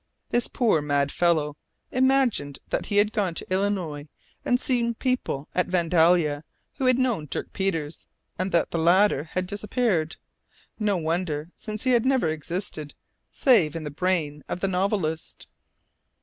This poor mad fellow imagined that he had gone to Illinois and seen people at Vandalia who had known Dirk Peters, and that the latter had disappeared. No wonder, since he had never existed, save in the brain of the novelist!